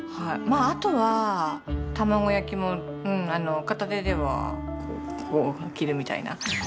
あとは卵焼きも片手ではこう切るみたいな。